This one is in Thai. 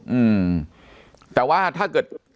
อืมแต่ว่าถ้าเกิด